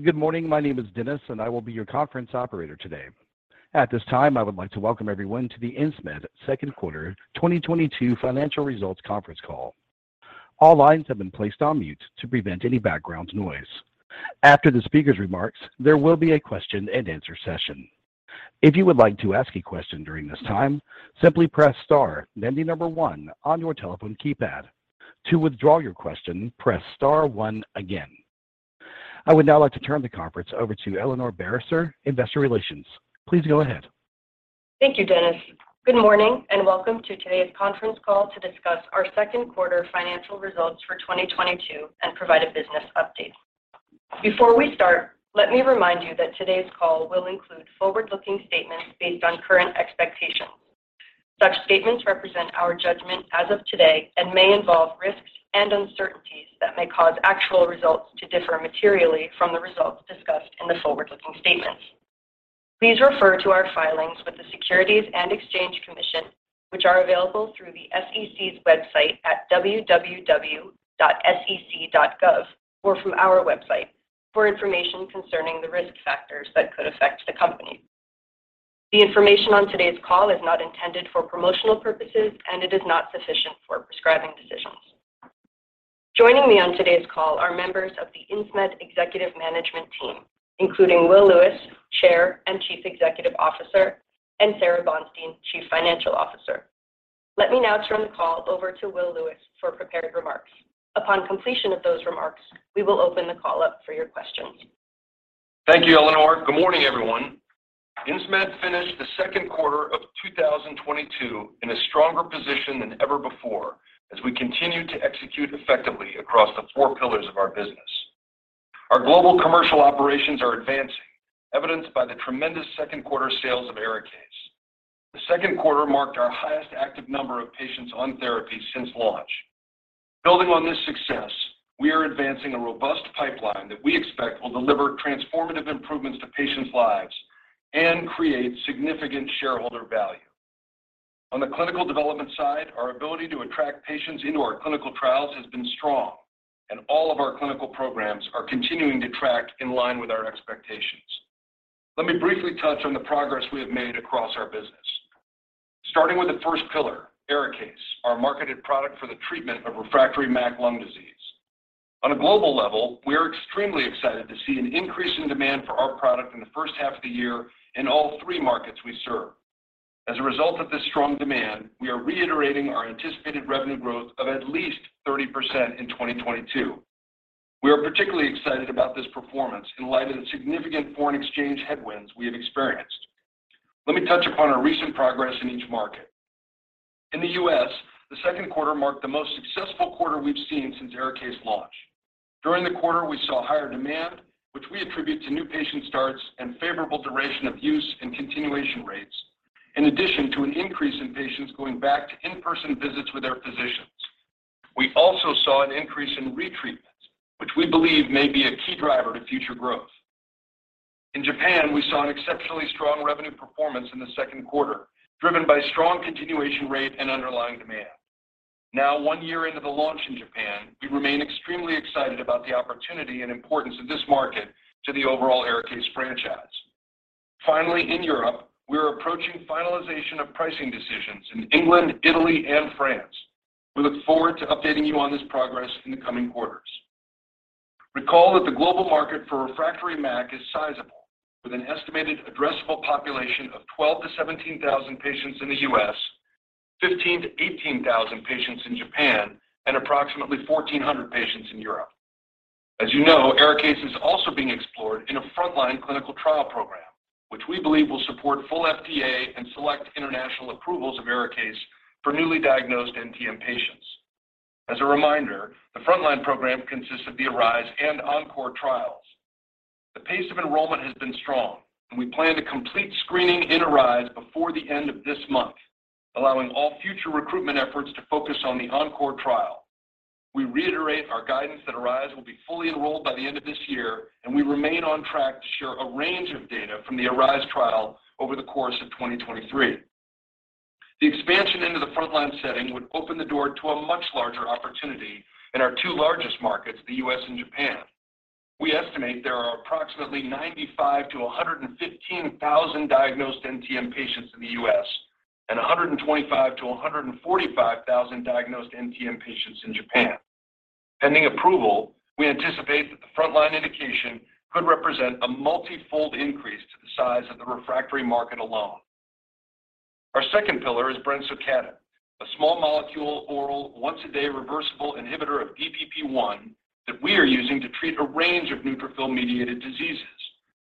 Good morning. My name is Dennis, and I will be your conference operator today. At this time, I would like to welcome everyone to the Insmed second quarter 2022 financial results conference call. All lines have been placed on mute to prevent any background noise. After the speaker's remarks, there will be a question-and-answer session. If you would like to ask a question during this time, simply press star then the number one on your telephone keypad. To withdraw your question, press star one again. I would now like to turn the conference over to Eleanor Barisser, Investor Relations. Please go ahead. Thank you, Dennis. Good morning and welcome to today's conference call to discuss our second quarter financial results for 2022 and provide a business update. Before we start, let me remind you that today's call will include forward-looking statements based on current expectations. Such statements represent our judgment as of today and may involve risks and uncertainties that may cause actual results to differ materially from the results discussed in the forward-looking statements. Please refer to our filings with the Securities and Exchange Commission, which are available through the SEC's website at www.sec.gov or from our website for information concerning the risk factors that could affect the company. The information on today's call is not intended for promotional purposes, and it is not sufficient for prescribing decisions. Joining me on today's call are members of the Insmed executive management team, including Will Lewis, Chair and Chief Executive Officer, and Sara Bonstein, Chief Financial Officer. Let me now turn the call over to Will Lewis for prepared remarks. Upon completion of those remarks, we will open the call up for your questions. Thank you, Eleanor. Good morning, everyone. Insmed finished the second quarter of 2022 in a stronger position than ever before as we continue to execute effectively across the four pillars of our business. Our global commercial operations are advancing, evidenced by the tremendous second quarter sales of ARIKAYCE. The second quarter marked our highest active number of patients on therapy since launch. Building on this success, we are advancing a robust pipeline that we expect will deliver transformative improvements to patients' lives and create significant shareholder value. On the clinical development side, our ability to attract patients into our clinical trials has been strong, and all of our clinical programs are continuing to track in line with our expectations. Let me briefly touch on the progress we have made across our business. Starting with the first pillar, ARIKAYCE, our marketed product for the treatment of refractory MAC lung disease. On a global level, we are extremely excited to see an increase in demand for our product in the first half of the year in all three markets we serve. As a result of this strong demand, we are reiterating our anticipated revenue growth of at least 30% in 2022. We are particularly excited about this performance in light of the significant foreign exchange headwinds we have experienced. Let me touch upon our recent progress in each market. In the U.S., the second quarter marked the most successful quarter we've seen since ARIKAYCE launch. During the quarter, we saw higher demand, which we attribute to new patient starts and favorable duration of use and continuation rates, in addition to an increase in patients going back to in-person visits with their physicians. We also saw an increase in retreatments, which we believe may be a key driver to future growth. In Japan, we saw an exceptionally strong revenue performance in the second quarter, driven by strong continuation rate and underlying demand. Now, 1 year into the launch in Japan, we remain extremely excited about the opportunity and importance of this market to the overall ARIKAYCE franchise. Finally, in Europe, we are approaching finalization of pricing decisions in England, Italy, and France. We look forward to updating you on this progress in the coming quarters. Recall that the global market for refractory MAC is sizable, with an estimated addressable population of 12,000-17,000 patients in the U.S., 15,000-18,000 patients in Japan, and approximately 1,400 patients in Europe. As you know, ARIKAYCE is also being explored in a frontline clinical trial program, which we believe will support full FDA and select international approvals of ARIKAYCE for newly diagnosed NTM patients. As a reminder, the frontline program consists of the ARISE and ENCORE trials. The pace of enrollment has been strong, and we plan to complete screening in ARISE before the end of this month, allowing all future recruitment efforts to focus on the ENCORE trial. We reiterate our guidance that ARISE will be fully enrolled by the end of this year, and we remain on track to share a range of data from the ARISE trial over the course of 2023. The expansion into the frontline setting would open the door to a much larger opportunity in our two largest markets, the U.S. and Japan. We estimate there are approximately 95,000-115,000 diagnosed NTM patients in the U.S., and 125,000-145,000 diagnosed NTM patients in Japan. Pending approval, we anticipate that the frontline indication could represent a multi-fold increase to the size of the refractory market alone. Our second pillar is brensocatib, a small molecule oral once-a-day reversible inhibitor of DPP1 that we are using to treat a range of neutrophil-mediated diseases,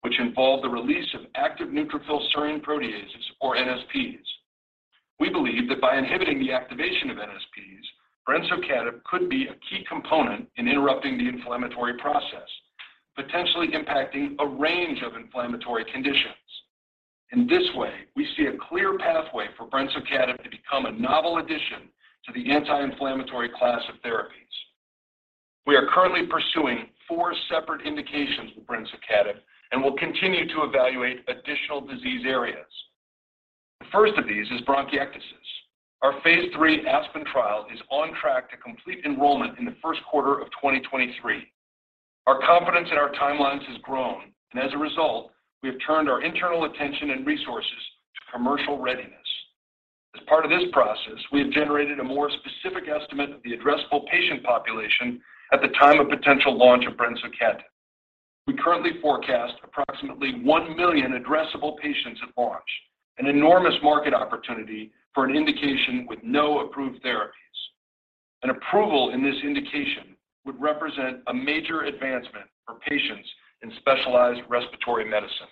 which involve the release of active neutrophil serine proteases or NSPs. We believe that by inhibiting the activation of NSPs, brensocatib could be a key component in interrupting the inflammatory process, potentially impacting a range of inflammatory conditions. In this way, we see a clear pathway for brensocatib to become a novel addition to the anti-inflammatory class of therapies. We are currently pursuing four separate indications with brensocatib and will continue to evaluate additional disease areas. The first of these is bronchiectasis. Our phase III ASPEN trial is on track to complete enrollment in the first quarter of 2023. Our confidence in our timelines has grown, and as a result, we have turned our internal attention and resources to commercial readiness. As part of this process, we have generated a more specific estimate of the addressable patient population at the time of potential launch of brensocatib. We currently forecast approximately 1 million addressable patients at launch, an enormous market opportunity for an indication with no approved therapies. An approval in this indication would represent a major advancement for patients in specialized respiratory medicine.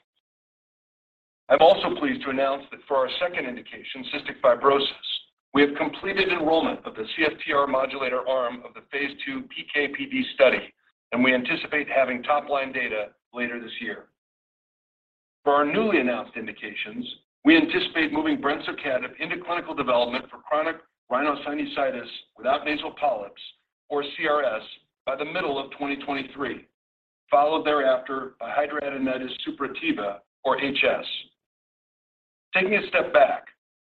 I'm also pleased to announce that for our second indication, cystic fibrosis, we have completed enrollment of the CFTR modulator arm of the phase II PK/PD study, and we anticipate having top-line data later this year. For our newly announced indications, we anticipate moving brensocatib into clinical development for chronic rhinosinusitis without nasal polyps, or CRS, by the middle of 2023, followed thereafter by hidradenitis suppurativa, or HS. Taking a step back,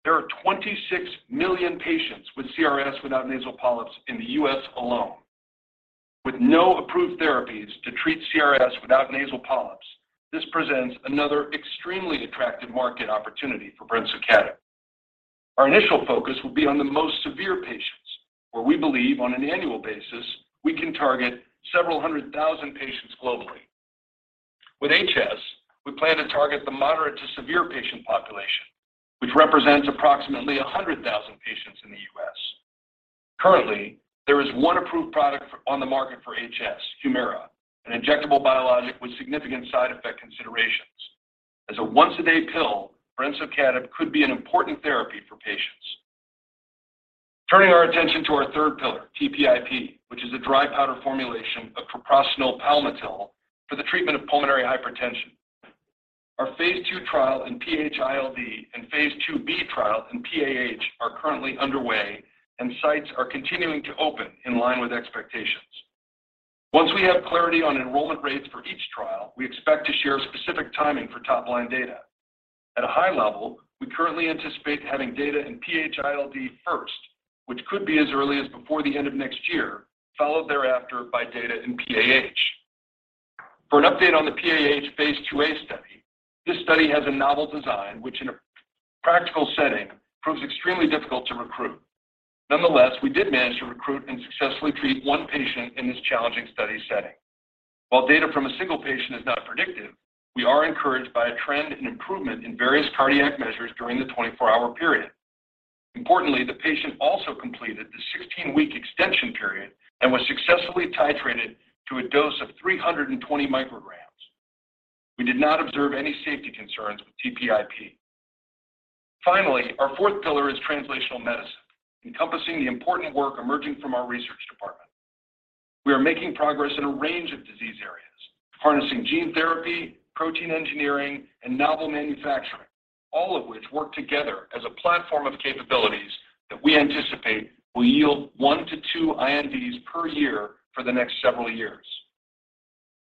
there are 26 million patients with CRS without nasal polyps in the U.S. alone. With no approved therapies to treat CRS without nasal polyps, this presents another extremely attractive market opportunity for brensocatib. Our initial focus will be on the most severe patients, where we believe on an annual basis we can target several hundred thousand patients globally. With HS, we plan to target the moderate to severe patient population, which represents approximately 100,000 patients in the U.S. Currently, there is one approved product on the market for HS, Humira, an injectable biologic with significant side effect considerations. As a once-a-day pill, brensocatib could be an important therapy for patients. Turning our attention to our third pillar, TPIP, which is a dry powder formulation of treprostinil palmitil for the treatment of pulmonary hypertension. Our phase II trial in PH-ILD and phase II-B trial in PAH are currently underway, and sites are continuing to open in line with expectations. Once we have clarity on enrollment rates for each trial, we expect to share specific timing for top-line data. At a high level, we currently anticipate having data in PH-ILD first, which could be as early as before the end of next year, followed thereafter by data in PAH. For an update on the PAH phase II-A study, this study has a novel design which in a practical setting proves extremely difficult to recruit. Nonetheless, we did manage to recruit and successfully treat one patient in this challenging study setting. While data from a single patient is not predictive, we are encouraged by a trend in improvement in various cardiac measures during the 24-hour period. Importantly, the patient also completed the 16-week extension period and was successfully titrated to a dose of 320 mcg. We did not observe any safety concerns with TPIP. Finally, our fourth pillar is translational medicine, encompassing the important work emerging from our research department. We are making progress in a range of disease areas, harnessing gene therapy, protein engineering and novel manufacturing, all of which work together as a platform of capabilities that we anticipate will yield 1-2 INDs per year for the next several years.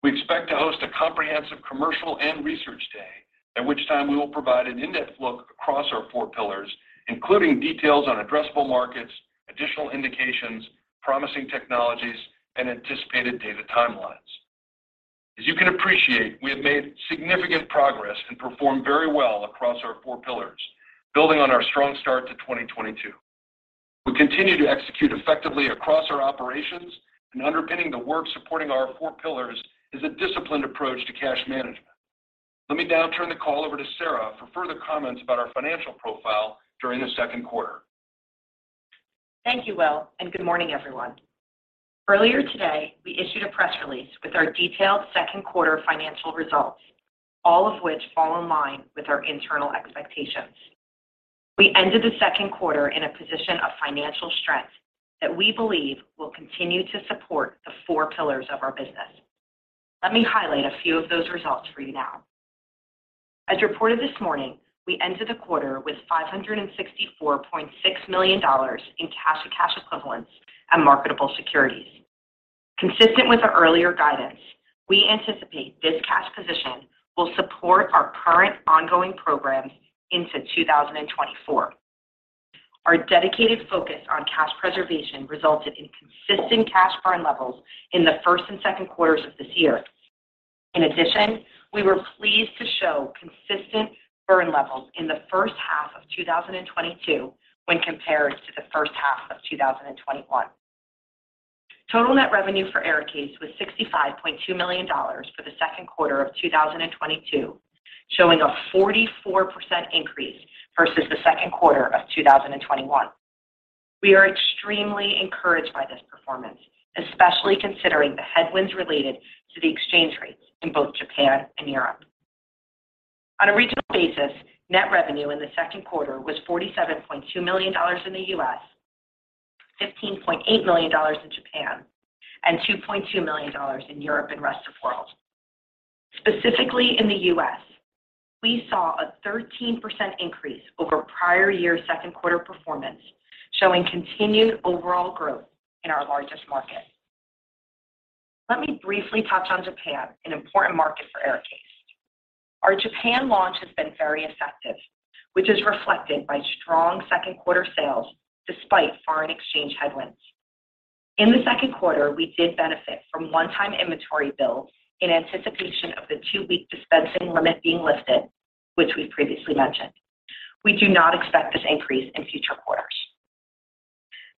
We expect to host a comprehensive Commercial and Research Day, at which time we will provide an in-depth look across our four pillars, including details on addressable markets, additional indications, promising technologies, and anticipated data timelines. As you can appreciate, we have made significant progress and performed very well across our four pillars, building on our strong start to 2022. We continue to execute effectively across our operations, and underpinning the work supporting our four pillars is a disciplined approach to cash management. Let me now turn the call over to Sara for further comments about our financial profile during the second quarter. Thank you, Will, and good morning, everyone. Earlier today, we issued a press release with our detailed second quarter financial results, all of which fall in line with our internal expectations. We ended the second quarter in a position of financial strength that we believe will continue to support the four pillars of our business. Let me highlight a few of those results for you now. As reported this morning, we ended the quarter with $564.6 million in cash equivalents and marketable securities. Consistent with our earlier guidance, we anticipate this cash position will support our current ongoing programs into 2024. Our dedicated focus on cash preservation resulted in consistent cash burn levels in the first and second quarters of this year. In addition, we were pleased to show consistent burn levels in the first half of 2022 when compared to the first half of 2021. Total net revenue for ARIKAYCE was $65.2 million for the second quarter of 2022, showing a 44% increase versus the second quarter of 2021. We are extremely encouraged by this performance, especially considering the headwinds related to the exchange rates in both Japan and Europe. On a regional basis, net revenue in the second quarter was $47.2 million in the U.S., $15.8 million in Japan, and $2.2 million in Europe and rest of world. Specifically in the U.S., we saw a 13% increase over prior year second quarter performance, showing continued overall growth in our largest market. Let me briefly touch on Japan, an important market for ARIKAYCE. Our Japan launch has been very effective, which is reflected by strong second quarter sales despite foreign exchange headwinds. In the second quarter, we did benefit from one-time inventory build in anticipation of the two-week dispensing limit being lifted, which we've previously mentioned. We do not expect this increase in future quarters.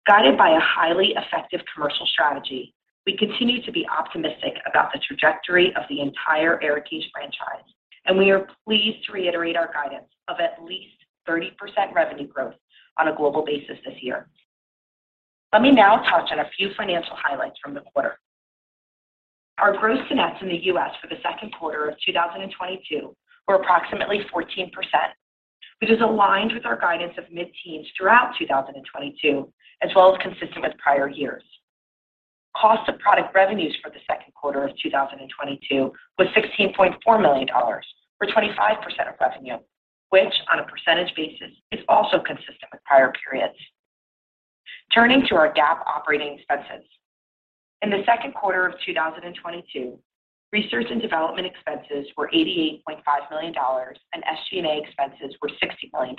Guided by a highly effective commercial strategy, we continue to be optimistic about the trajectory of the entire ARIKAYCE franchise, and we are pleased to reiterate our guidance of at least 30% revenue growth on a global basis this year. Let me now touch on a few financial highlights from the quarter. Our gross to nets in the U.S. for the second quarter of 2022 were approximately 14%, which is aligned with our guidance of mid-teens throughout 2022 as well as consistent with prior years. Cost of product revenues for the second quarter of 2022 was $16.4 million, or 25% of revenue, which on a percentage basis is also consistent with prior periods. Turning to our GAAP operating expenses. In the second quarter of 2022, research and development expenses were $88.5 million, and SG&A expenses were $60 million.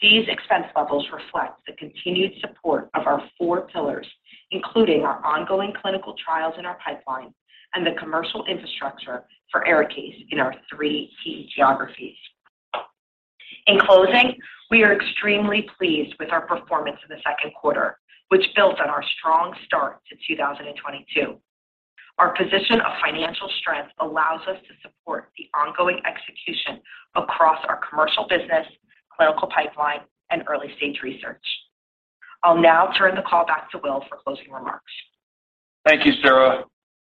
These expense levels reflect the continued support of our four pillars, including our ongoing clinical trials in our pipeline and the commercial infrastructure for ARIKAYCE in our three key geographies. In closing, we are extremely pleased with our performance in the second quarter, which built on our strong start to 2022. Our position of financial strength allows us to support the ongoing execution across our commercial business, clinical pipeline, and early-stage research. I'll now turn the call back to Will for closing remarks. Thank you, Sara.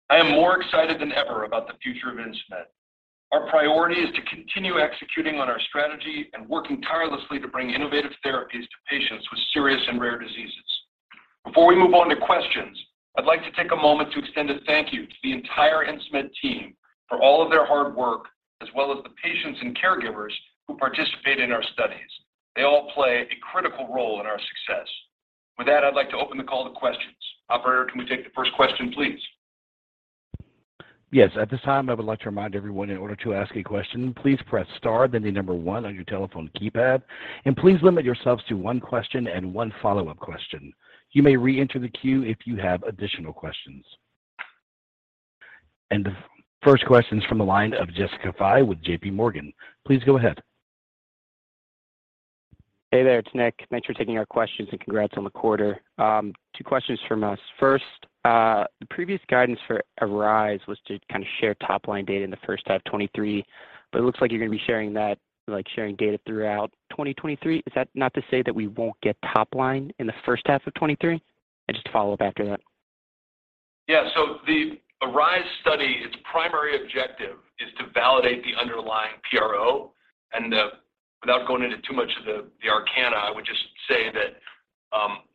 I am more excited than ever about the future of Insmed. Our priority is to continue executing on our strategy and working tirelessly to bring innovative therapies to patients with serious and rare diseases. Before we move on to questions, I'd like to take a moment to extend a thank you to the entire Insmed team for all of their hard work, as well as the patients and caregivers who participate in our studies. They all play a critical role in our success. With that, I'd like to open the call to questions. Operator, can we take the first question, please? Yes. At this time, I would like to remind everyone in order to ask a question, please press star then the number one on your telephone keypad, and please limit yourselves to one question and one follow-up question. You may reenter the queue if you have additional questions. The first question is from the line of Jessica Fye with JPMorgan. Please go ahead. Hey there, it's Nick. Thanks for taking our questions and congrats on the quarter. Two questions from us. First, the previous guidance for ARISE was to kinda share top-line data in the first half of 2023, but it looks like you're gonna be sharing that, like sharing data throughout 2023. Is that not to say that we won't get top line in the first half of 2023? Just a follow-up after that. Yeah. The ARISE study, its primary objective is to validate the underlying PRO. Without going into too much of the arcana, I would just say that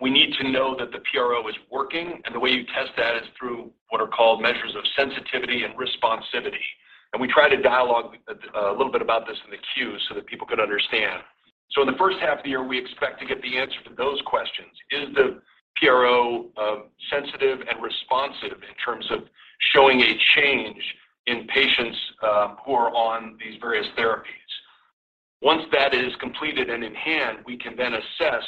we need to know that the PRO is working, and the way you test that is through what are called measures of sensitivity and responsivity. We try to dialogue a little bit about this in the queue so that people can understand. In the first half of the year, we expect to get the answer to those questions. Is the PRO sensitive and responsive in terms of showing a change in patients who are on these various therapies? Once that is completed and in hand, we can then assess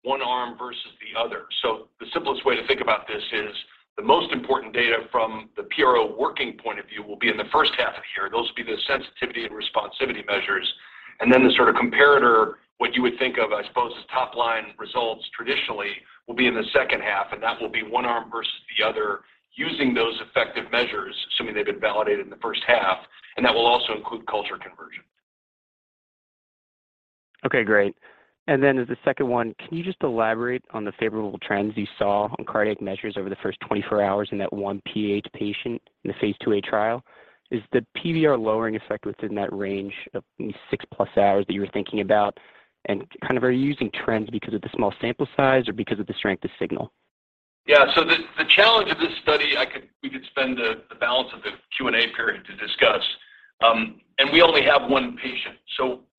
one arm versus the other. The simplest way to think about this is the most important data from the PRO working point of view will be in the first half of the year. Those will be the sensitivity and responsiveness measures. The sort of comparator, what you would think of, I suppose, as top-line results traditionally, will be in the second half, and that will be one arm versus the other using those efficacy measures, assuming they've been validated in the first half, and that will also include culture conversion. Okay, great. As the second one, can you just elaborate on the favorable trends you saw on cardiac measures over the first 24 hours in that one PAH patient in the phase II-A trial? Is the PVR lowering effect within that range of 6+ hours that you were thinking about? Kind of are you using trends because of the small sample size or because of the strength of signal? Yeah. The challenge of this study, we could spend the balance of the Q&A period to discuss. We only have one patient.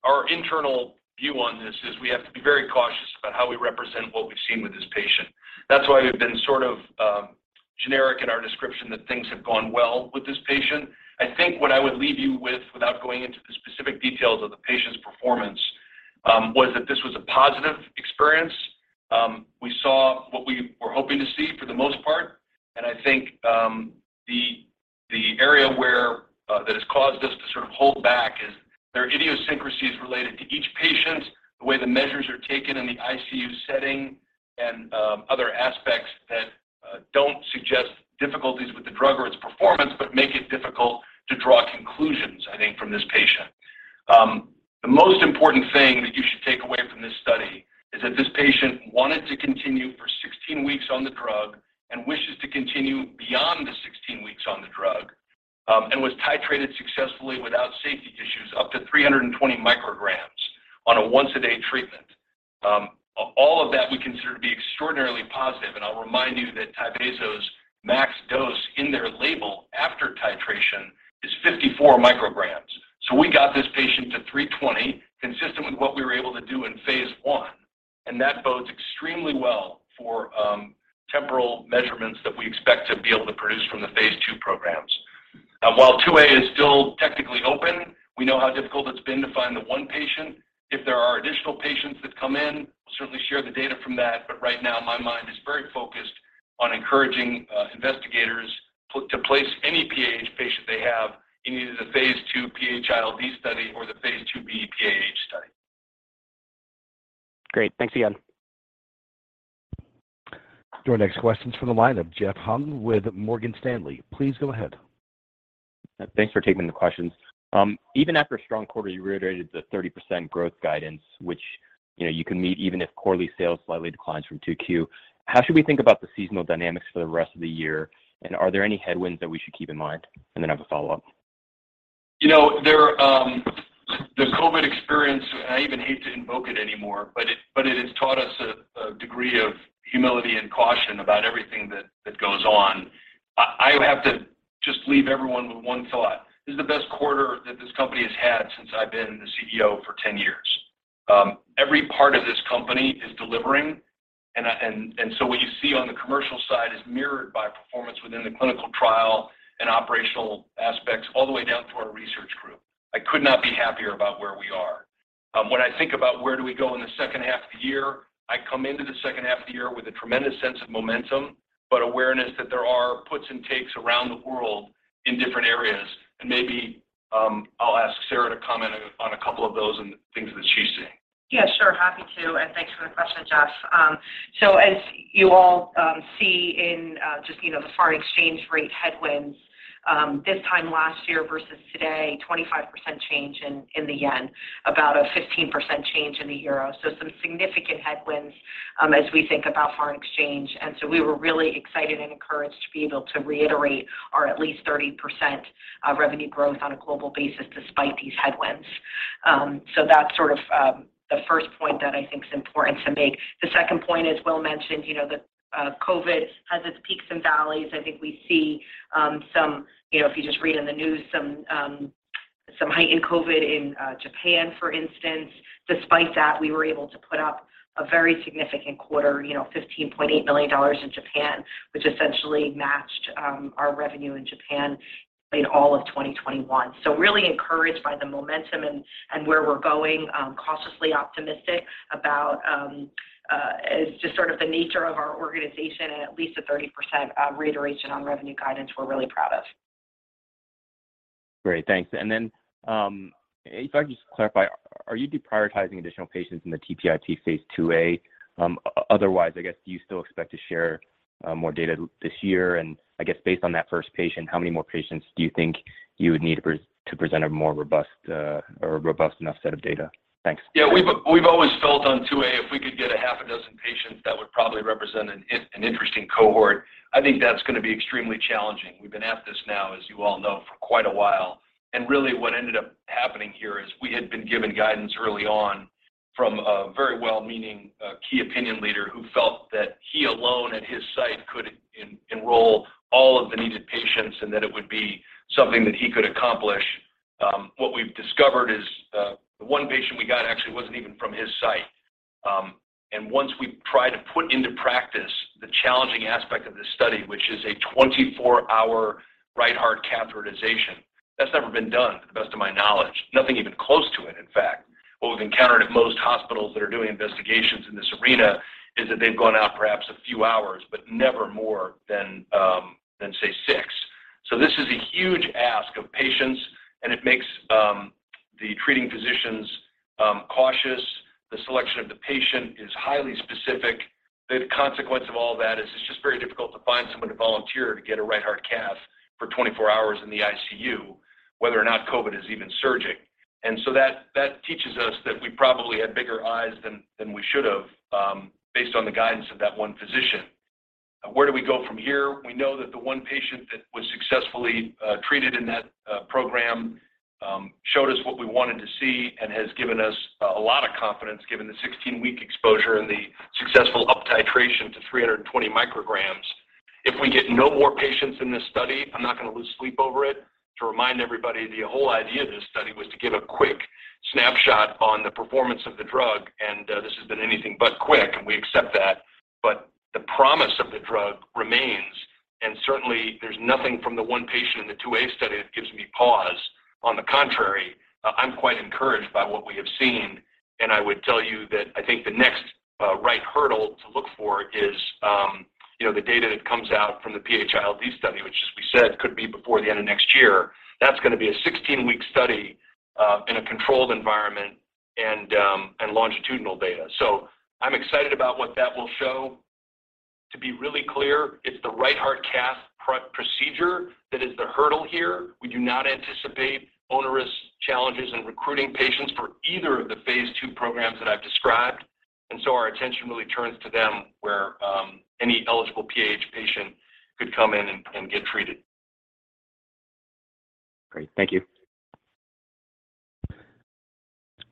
Our internal view on this is we have to be very cautious about how we represent what we've seen with this patient. That's why we've been sort of generic in our description that things have gone well with this patient. I think what I would leave you with, without going into the specific details of the patient's performance, was that this was a positive experience. We saw what we were hoping to see for the most part. I think the area where that has caused us to sort of hold back is there are idiosyncrasies related to each patient, the way the measures are taken in the ICU setting and other aspects that don't suggest difficulties with the drug or its performance, but make it difficult to draw conclusions, I think, from this patient. The most important thing that you should take away from this study is that this patient wanted to continue for 16 weeks on the drug and wishes to continue beyond the 16 weeks on the drug, and was titrated successfully without safety issues up to 320 mcg on a once-a-day treatment. All of that we consider to be extraordinarily positive, and I'll remind you that Tyvaso's max dose in their label after titration is 54 mcg. We got this patient to 320, consistent with what we were able to do in phase I. And that bodes extremely well for temporal measurements that we expect to be able to produce from the phase II programs. Now, while II-A is still technically open, we know how difficult it's been to find the one patient. If there are additional patients that come in, we'll certainly share the data from that. Right now, my mind is very focused on encouraging investigators to place any PAH patient they have in either the phase II PH-ILD study or the phase II-B PAH study. Great. Thanks again. Your next question's from the line of Jeff Hung with Morgan Stanley. Please go ahead. Thanks for taking the questions. Even after a strong quarter, you reiterated the 30% growth guidance, which, you know, you can meet even if quarterly sales slightly declines from 2Q. How should we think about the seasonal dynamics for the rest of the year, and are there any headwinds that we should keep in mind? I have a follow-up. You know, the COVID experience, and I even hate to invoke it anymore, but it has taught us a degree of humility and caution about everything that goes on. I have to just leave everyone with one thought. This is the best quarter that this company has had since I've been the CEO for 10 years. Every part of this company is delivering, and so what you see on the commercial side is mirrored by performance within the clinical trial and operational aspects all the way down to our research group. I could not be happier about where we are. When I think about where do we go in the second half of the year, I come into the second half of the year with a tremendous sense of momentum, but awareness that there are puts and takes around the world in different areas. Maybe, I'll ask Sara to comment on a couple of those and things that she's seeing. Yeah, sure. Happy to, and thanks for the question, Jeff. As you all see in just, you know, the foreign exchange rate headwinds, this time last year versus today, 25% change in the yen, about a 15% change in the euro. Some significant headwinds as we think about foreign exchange. We were really excited and encouraged to be able to reiterate our at least 30% revenue growth on a global basis despite these headwinds. That's sort of the first point that I think is important to make. The second point, as Will mentioned, you know, the COVID has its peaks and valleys. I think we see some, you know, if you just read in the news some heightened COVID in Japan, for instance. Despite that, we were able to put up a very significant quarter, you know, $15.8 million in Japan, which essentially matched our revenue in Japan in all of 2021. Really encouraged by the momentum and where we're going. Cautiously optimistic about just sort of the nature of our organization and at least a 30% reiteration on revenue guidance we're really proud of. Great. Thanks. If I could just clarify, are you deprioritizing additional patients in the TPIP phase II-A? Otherwise, I guess, do you still expect to share more data this year? I guess based on that first patient, how many more patients do you think you would need to present a more robust enough set of data? Thanks. Yeah. We've always felt on II-A, if we could get six patients, that would probably represent an interesting cohort. I think that's gonna be extremely challenging. We've been at this now, as you all know, for quite a while. Really what ended up happening here is we had been given guidance early on from a very well-meaning key opinion leader who felt that he alone at his site could enroll all of the needed patients and that it would be something that he could accomplish. What we've discovered is the one patient we got actually wasn't even from his site. Once we tried to put into practice the challenging aspect of this study, which is a 24-hour right heart catheterization, that's never been done to the best of my knowledge. Nothing even close to it, in fact. What we've encountered at most hospitals that are doing investigations in this arena is that they've gone out perhaps a few hours, but never more than, say, six. This is a huge ask of patients, and it makes the treating physicians cautious. The selection of the patient is highly specific. The consequence of all that is it's just very difficult to find someone to volunteer to get a right heart cath for 24 hours in the ICU, whether or not COVID is even surging. That teaches us that we probably had bigger eyes than we should have, based on the guidance of that one physician. Where do we go from here? We know that the one patient that was successfully treated in that program showed us what we wanted to see and has given us a lot of confidence given the 16-week exposure and the successful uptitration to 320 mcg. If we get no more patients in this study, I'm not gonna lose sleep over it. To remind everybody, the whole idea of this study was to give a quick snapshot on the performance of the drug, and this has been anything but quick, and we accept that. The promise of the drug remains, and certainly there's nothing from the one patient in the II-A study that gives me pause. On the contrary, I'm quite encouraged by what we have seen, and I would tell you that I think the next right hurdle to look for is, you know, the data that comes out from the PH-ILD study, which as we said, could be before the end of next year. That's gonna be a 16-week study in a controlled environment and longitudinal data. I'm excited about what that will show. To be really clear, it's the right heart cath procedure that is the hurdle here. We do not anticipate onerous challenges in recruiting patients for either of the phase II programs that I've described. Our attention really turns to them where any eligible PAH patient could come in and get treated. Great. Thank you.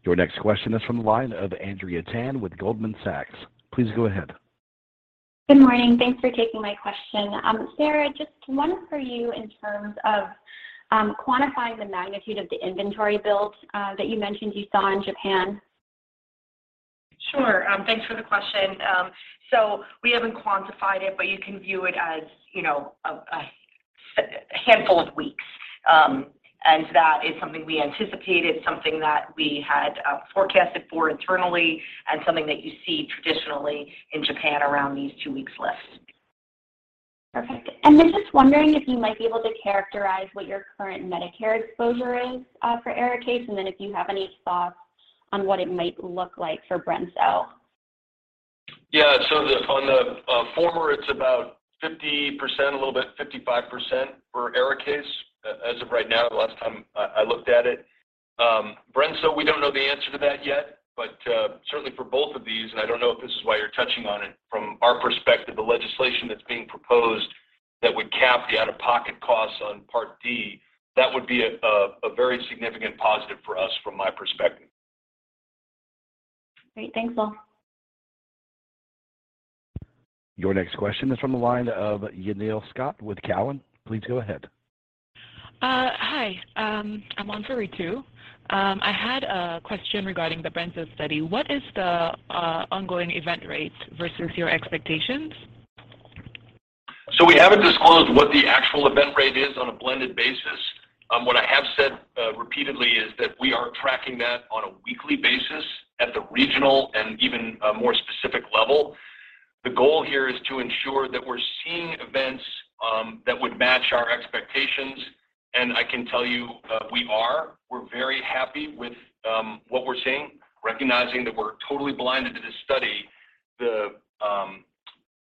Your next question is from the line of Andrea Tan with Goldman Sachs. Please go ahead. Good morning. Thanks for taking my question. Sara, just one for you in terms of quantifying the magnitude of the inventory build that you mentioned you saw in Japan? Sure. Thanks for the question. We haven't quantified it, but you can view it as, you know, a handful of weeks. That is something we anticipated, something that we had forecasted for internally and something that you see traditionally in Japan around these two-week lists. Perfect. Just wondering if you might be able to characterize what your current Medicare exposure is, for ARIKAYCE, and then if you have any thoughts on what it might look like for brensocatib? Yeah. On the former, it's about 50%, a little bit 55% for ARIKAYCE as of right now, the last time I looked at it. Brensocatib, we don't know the answer to that yet, but certainly for both of these, and I don't know if this is why you're touching on it, from our perspective, the legislation that's being proposed that would cap the out-of-pocket costs on Part D, that would be a very significant positive for us from my perspective. Great. Thanks, all. Your next question is from the line of with Cowen. Please go ahead. Hi. I'm on for Ritu. I had a question regarding the brensocatib study. What is the ongoing event rate versus your expectations? We haven't disclosed what the actual event rate is on a blended basis. What I have said repeatedly is that we are tracking that on a weekly basis at the regional and even more specific level. The goal here is to ensure that we're seeing events that would match our expectations, and I can tell you, we are. We're very happy with what we're seeing, recognizing that we're totally blinded to this study.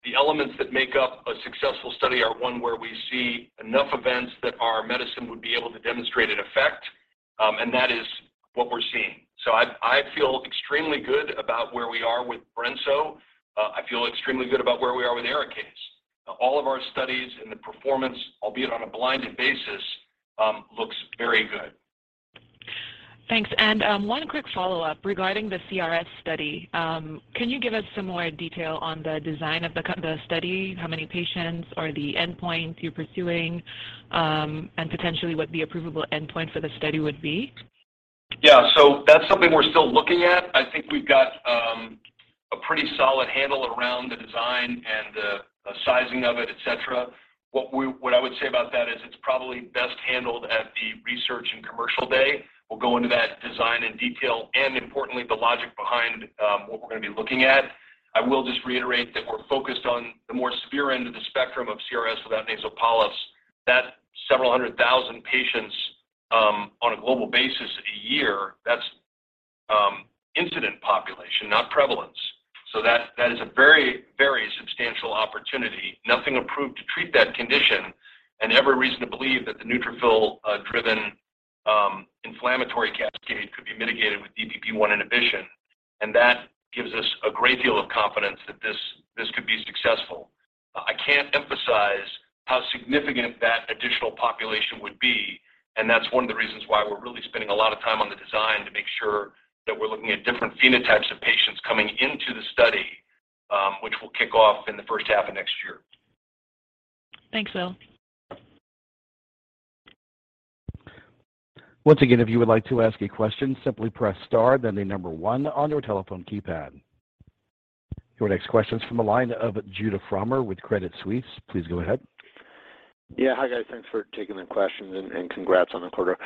The elements that make up a successful study are one where we see enough events that our medicine would be able to demonstrate an effect, and that is what we're seeing. I feel extremely good about where we are with brensocatib. I feel extremely good about where we are with ARIKAYCE. All of our studies and the performance, albeit on a blinded basis, looks very good. Thanks. One quick follow-up regarding the CRS study. Can you give us some more detail on the design of the study? How many patients or the endpoints you're pursuing, and potentially what the approvable endpoint for the study would be? Yeah. That's something we're still looking at. I think we've got a pretty solid handle around the design and the sizing of it, etc. What I would say about that is it's probably best handled at the research and commercial day. We'll go into that design in detail and importantly, the logic behind what we're gonna be looking at. I will just reiterate that we're focused on the more severe end of the spectrum of CRS without nasal polyps. That's several hundred thousand patients on a global basis a year. That's incident population, not prevalence. That is a very, very substantial opportunity. Nothing approved to treat that condition and every reason to believe that the neutrophil driven inflammatory cascade could be mitigated with DPP1 inhibition, and that gives us a great deal of confidence that this could be successful. I can't emphasize how significant that additional population would be, and that's one of the reasons why we're really spending a lot of time on the design to make sure that we're looking at different phenotypes of patients coming into the study, which will kick off in the first half of next year. Thanks, Will. Once again, if you would like to ask a question, simply press star then the number one on your telephone keypad. Your next question is from the line of Judah Frommer with Credit Suisse. Please go ahead. Yeah. Hi, guys. Thanks for taking the questions and congrats on the quarter.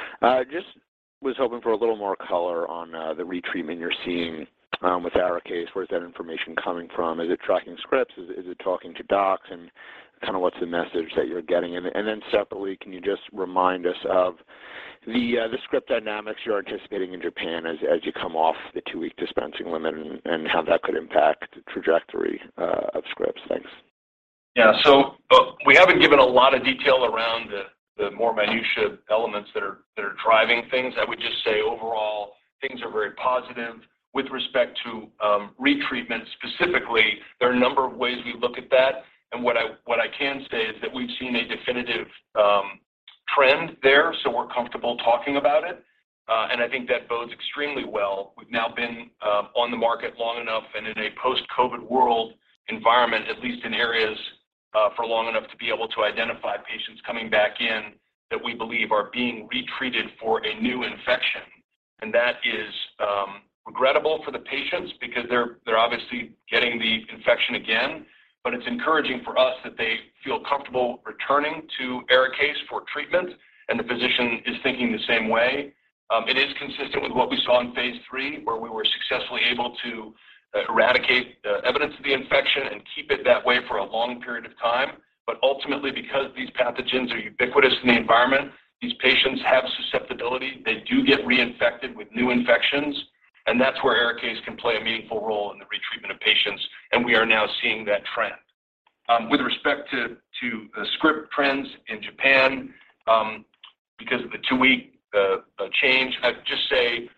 Just was hoping for a little more color on the retreatment you're seeing with ARIKAYCE. Where is that information coming from? Is it tracking scripts? Is it talking to docs? Kinda what's the message that you're getting? Then separately, can you just remind us of the script dynamics you're anticipating in Japan as you come off the two-week dispensing limit and how that could impact the trajectory of scripts? Thanks. Yeah. We haven't given a lot of detail around the more minutiae elements that are driving things. I would just say overall things are very positive. With respect to retreatment specifically, there are a number of ways we look at that, and what I can say is that we've seen a definitive trend there, so we're comfortable talking about it. I think that bodes extremely well. We've now been on the market long enough and in a post-COVID world environment, at least in areas, for long enough to be able to identify patients coming back in that we believe are being retreated for a new infection. That is regrettable for the patients because they're obviously getting the infection again. It's encouraging for us that they feel comfortable returning to ARIKAYCE for treatment, and the physician is thinking the same way. It is consistent with what we saw in phase III, where we were successfully able to eradicate the evidence of the infection and keep it that way for a long period of time. Ultimately, because these pathogens are ubiquitous in the environment, these patients have susceptibility. They do get reinfected with new infections, and that's where ARIKAYCE can play a meaningful role in the retreatment of patients, and we are now seeing that trend. With respect to script trends in Japan, because of the two-week change, I'd just say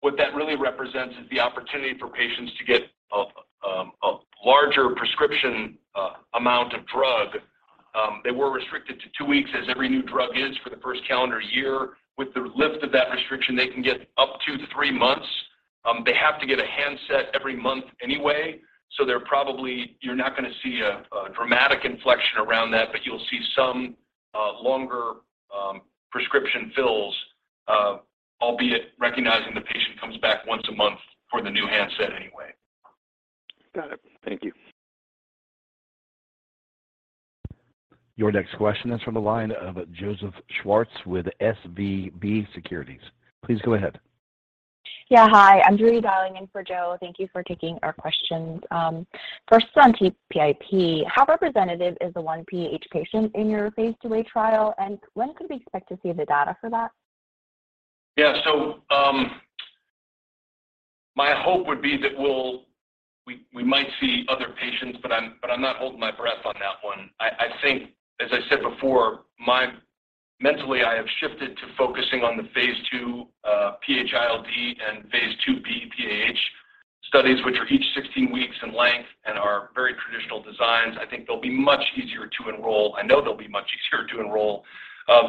what that really represents is the opportunity for patients to get a larger prescription amount of drug. They were restricted to two weeks as every new drug is for the first calendar year. With the lift of that restriction, they can get up to three months. They have to get a handset every month anyway, so they're probably. You're not gonna see a dramatic inflection around that, but you'll see some longer prescription fills, albeit recognizing the patient comes back once a month for the new handset anyway. Got it. Thank you. Your next question is from the line of Joseph Schwartz with SVB Securities. Please go ahead. Yeah, hi. I'm Joori dialing in for Joe. Thank you for taking our questions. First on TPIP, how representative is the one PAH patient in your phase II-A trial, and when could we expect to see the data for that? Yeah. My hope would be that we might see other patients, but I'm not holding my breath on that one. I think, as I said before, mentally, I have shifted to focusing on the phase II PH-ILD and phase II-B PAH studies, which are each 16 weeks in length and are very traditional designs. I think they'll be much easier to enroll. I know they'll be much easier to enroll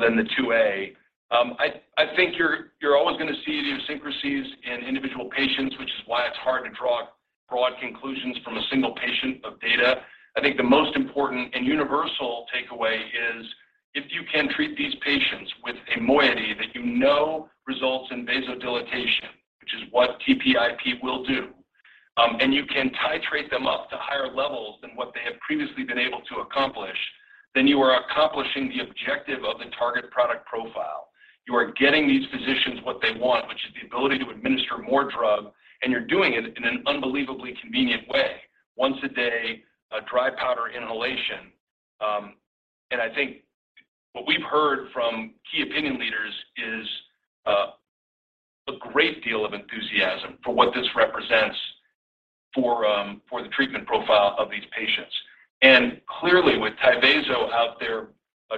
than the II-A. I think you're always gonna see the idiosyncrasies in individual patients, which is why it's hard to draw broad conclusions from a single patient of data. I think the most important and universal takeaway is, if you can treat these patients with a moiety that you know results in vasodilation, which is what TPIP will do, and you can titrate them up to higher levels than what they have previously been able to accomplish, then you are accomplishing the objective of the target product profile. You are getting these physicians what they want, which is the ability to administer more drug, and you're doing it in an unbelievably convenient way, once a day, a dry powder inhalation. I think what we've heard from key opinion leaders is a great deal of enthusiasm for what this represents for the treatment profile of these patients. Clearly, with Tyvaso out there,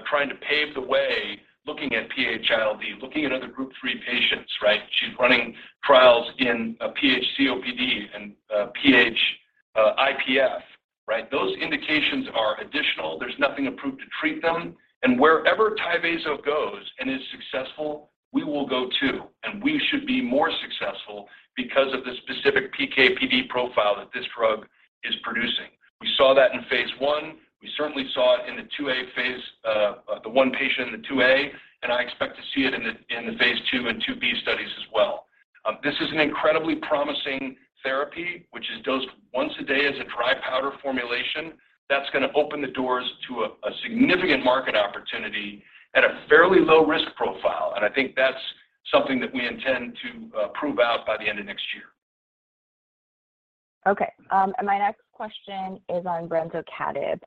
trying to pave the way, looking at PH-ILD, looking at other group three patients, right? She's running trials in PH-COPD and PH-IPF, right? Those indications are additional. There's nothing approved to treat them. Wherever Tyvaso goes and is successful, we will go, too. We should be more successful because of the specific PK/PD profile that this drug is producing. We saw that in phase I. We certainly saw it in the II-A phase, the one patient in the II-A, and I expect to see it in the phase II and II-B studies as well. This is an incredibly promising therapy, which is dosed once a day as a dry powder formulation. That's gonna open the doors to a significant market opportunity at a fairly low risk profile. I think that's something that we intend to prove out by the end of next year. Okay. My next question is on brensocatib.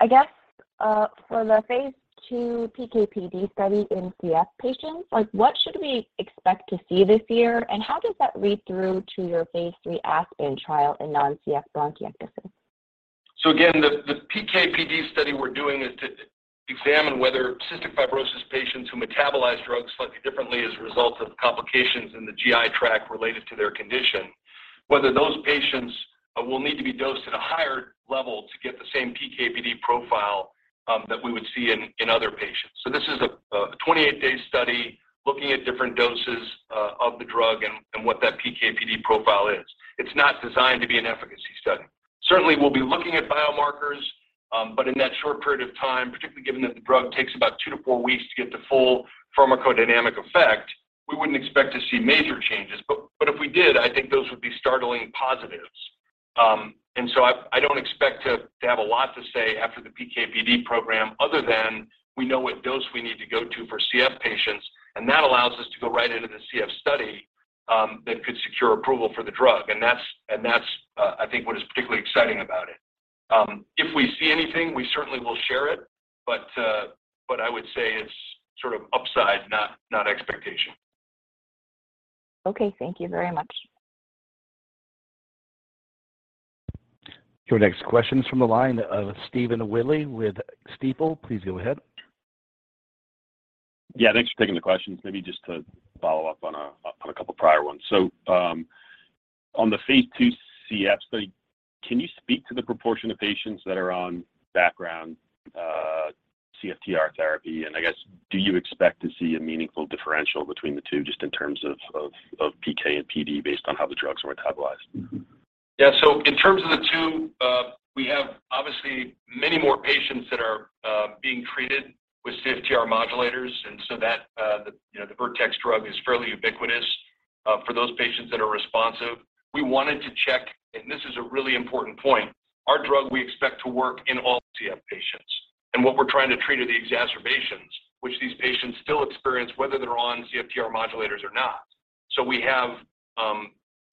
I guess, for the phase II PK/PD study in CF patients, like, what should we expect to see this year, and how does that read through to your phase III ASPEN trial in non-CF bronchiectasis? Again, the PK/PD study we're doing is to examine whether cystic fibrosis patients who metabolize drugs slightly differently as a result of complications in the GI tract related to their condition, whether those patients will need to be dosed at a higher level to get the same PK/PD profile that we would see in other patients. This is a 28-day study looking at different doses of the drug and what that PK/PD profile is. It's not designed to be an efficacy study. Certainly, we'll be looking at biomarkers, but in that short period of time, particularly given that the drug takes about 2-4 weeks to get the full pharmacodynamic effect, we wouldn't expect to see major changes. If we did, I think those would be startling positives. I don't expect to have a lot to say after the PK/PD program other than we know what dose we need to go to for CF patients, and that allows us to go right into the CF study that could secure approval for the drug. That's, I think, what is particularly exciting about it. If we see anything, we certainly will share it. I would say it's sort of upside, not expectation. Okay. Thank you very much. Your next question is from the line of Stephen Willey with Stifel. Please go ahead. Yeah. Thanks for taking the questions. Maybe just to follow up on a couple prior ones. On the phase II CF study, can you speak to the proportion of patients that are on background CFTR therapy? I guess, do you expect to see a meaningful differential between the two just in terms of PK and PD based on how the drugs are metabolized? Yeah. In terms of the two, we have obviously many more patients that are being treated with CFTR modulators, and so that the, you know, the Vertex drug is fairly ubiquitous for those patients that are responsive. We wanted to check, and this is a really important point, our drug we expect to work in all CF patients. What we're trying to treat are the exacerbations, which these patients still experience whether they're on CFTR modulators or not. We have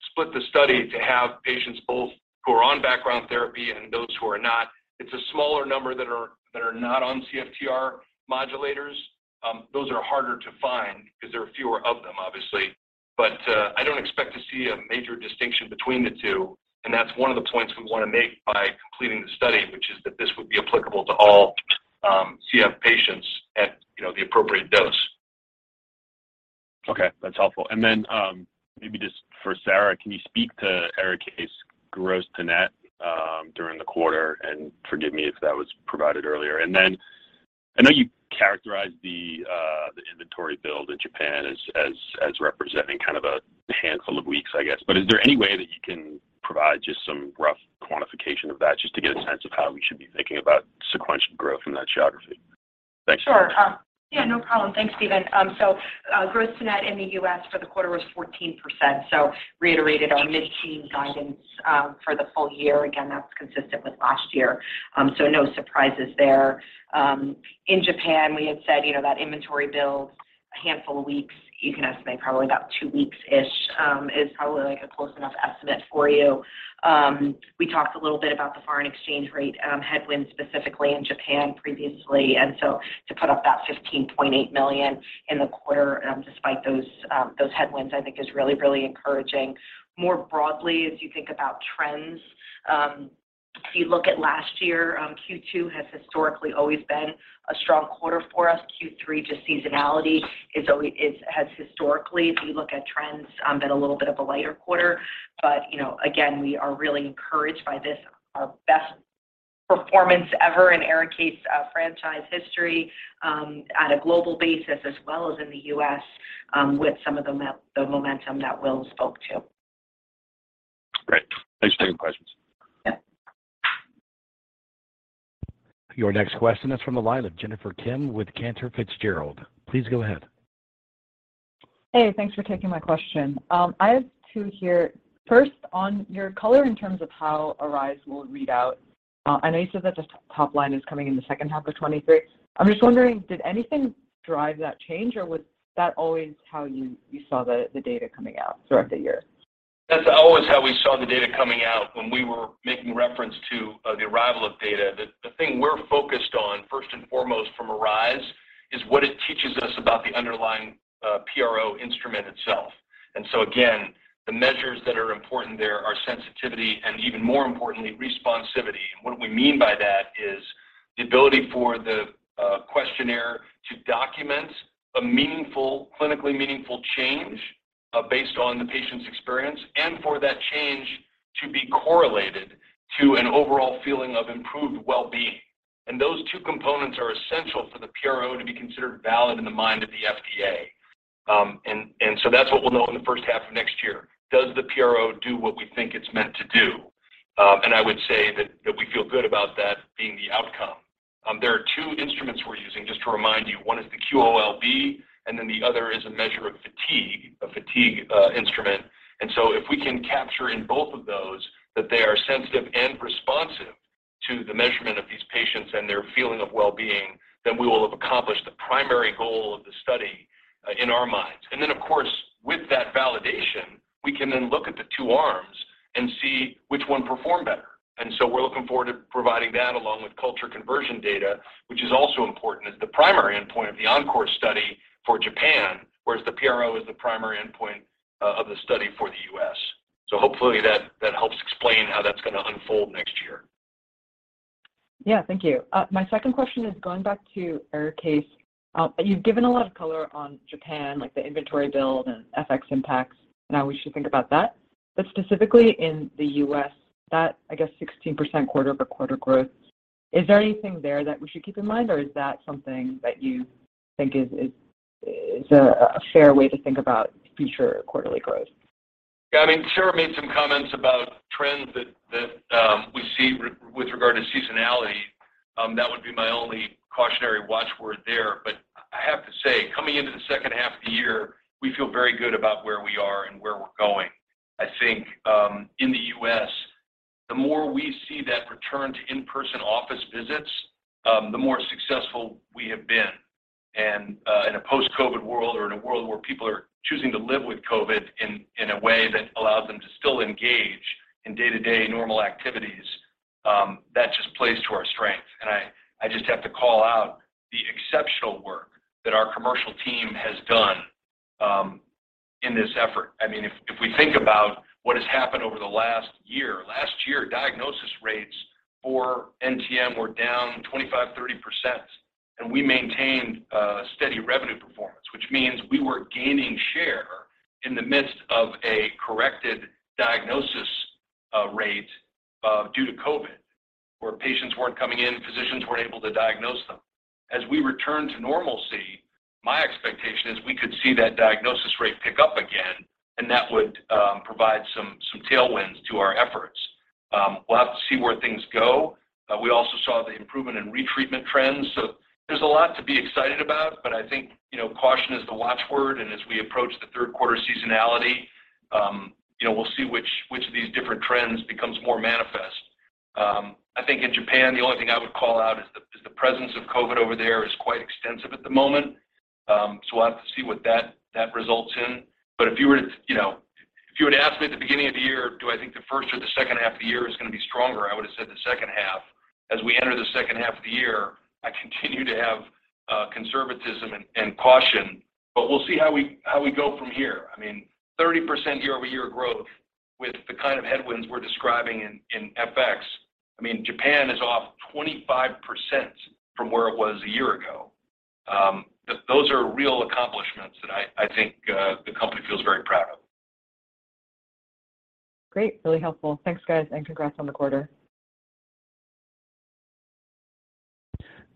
split the study to have patients both who are on background therapy and those who are not. It's a smaller number that are not on CFTR modulators. Those are harder to find because there are fewer of them, obviously. I don't expect to see a major distinction between the two, and that's one of the points we wanna make by completing the study, which is that this would be applicable to all, CF patients at, you know, the appropriate dose. Okay. That's helpful. Then, maybe just for Sara, can you speak to ARIKAYCE's gross to net in the quarter, and forgive me if that was provided earlier. Then I know you characterized the inventory build in Japan as representing kind of a handful of weeks, I guess. Is there any way that you can provide just some rough quantification of that, just to get a sense of how we should be thinking about sequential growth in that geography? Thanks. Sure. Yeah, no problem. Thanks, Stephen. Growth to net in the U.S. for the quarter was 14%. Reiterated our mid-teen guidance for the full year. Again, that's consistent with last year, so no surprises there. In Japan, we had said, you know, that inventory build a handful of weeks, you can estimate probably about two weeks-ish is probably, like, a close enough estimate for you. We talked a little bit about the foreign exchange rate headwind specifically in Japan previously, and so to put up that $15.8 million in the quarter, despite those headwinds, I think is really, really encouraging. More broadly, as you think about trends, if you look at last year, Q2 has historically always been a strong quarter for us. Q3, just seasonality is always. This has historically, if you look at trends, been a little bit of a lighter quarter. You know, again, we are really encouraged by this, our best performance ever in ARIKAYCE franchise history, on a global basis as well as in the U.S., with some of the momentum that Will spoke to. Great. Thanks for taking the questions. Yeah. Your next question is from the line of Jennifer Kim with Cantor Fitzgerald. Please go ahead. Hey, thanks for taking my question. I have two here. First, on your color in terms of how ARISE will read out, I know you said that the top line is coming in the second half of 2023. I'm just wondering, did anything drive that change, or was that always how you saw the data coming out throughout the year? That's always how we saw the data coming out when we were making reference to the arrival of data. The thing we're focused on, first and foremost from ARISE is what it teaches us about the underlying PRO instrument itself. Again, the measures that are important there are sensitivity and even more importantly, responsiveness. What we mean by that is the ability for the questionnaire to document a meaningful, clinically meaningful change based on the patient's experience, and for that change to be correlated to an overall feeling of improved well-being. Those two components are essential for the PRO to be considered valid in the mind of the FDA. That's what we'll know in the first half of next year. Does the PRO do what we think it's meant to do? I would say that we feel good about that being the outcome. There are two instruments we're using, just to remind you. One is the QOL-B, and then the other is a measure of fatigue instrument. If we can capture in both of those that they are sensitive and responsive to the measurement of these patients and their feeling of wellbeing, then we will have accomplished the primary goal of the study in our minds. Of course, with that validation, we can then look at the two arms and see which one performed better. We're looking forward to providing that along with culture conversion data, which is also important as the primary endpoint of the ENCORE study for Japan, whereas the PRO is the primary endpoint of the study for the U.S. Hopefully that helps explain how that's gonna unfold next year. Yeah. Thank you. My second question is going back to ARIKAYCE. You've given a lot of color on Japan, like the inventory build and FX impacts and how we should think about that. But specifically in the U.S., that, I guess, 16% quarter-over-quarter growth, is there anything there that we should keep in mind, or is that something that you think is a fair way to think about future quarterly growth? I mean, Sara made some comments about trends that we see with regard to seasonality. That would be my only cautionary watch word there. I have to say, coming into the second half of the year, we feel very good about where we are and where we're going. I think in the U.S., the more we see that return to in-person office visits, the more successful we have been. In a post-COVID world or in a world where people are choosing to live with COVID in a way that allows them to still engage in day-to-day normal activities, that just plays to our strength. I just have to call out the exceptional work that our commercial team has done in this effort. I mean, if we think about what has happened over the last year, diagnosis rates for NTM were down 25%-30%, and we maintained steady revenue performance, which means we were gaining share in the midst of a COVID-corrected diagnosis rate due to COVID, where patients weren't coming in, physicians weren't able to diagnose them. As we return to normalcy, my expectation is we could see that diagnosis rate pick up again, and that would provide some tailwinds to our efforts. We'll have to see where things go. We also saw the improvement in retreatment trends, so there's a lot to be excited about. I think, you know, caution is the watchword, and as we approach the third quarter seasonality, you know, we'll see which of these different trends becomes more manifest. I think in Japan, the only thing I would call out is the presence of COVID over there quite extensive at the moment. We'll have to see what that results in. If you were to, you know, if you were to ask me at the beginning of the year, do I think the first or the second half of the year is gonna be stronger, I would've said the second half. As we enter the second half of the year, I continue to have conservatism and caution, but we'll see how we go from here. I mean, 30% year-over-year growth with the kind of headwinds we're describing in FX. I mean, Japan is off 25% from where it was a year ago. Those are real accomplishments that I think the company feels very proud of. Great. Really helpful. Thanks, guys, and congrats on the quarter.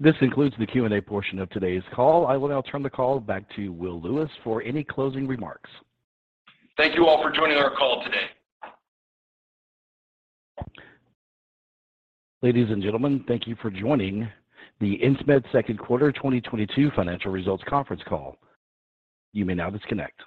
This concludes the Q&A portion of today's call. I will now turn the call back to Will Lewis for any closing remarks. Thank you all for joining our call today. Ladies and gentlemen, thank you for joining the Insmed second quarter 2022 financial results conference call. You may now disconnect.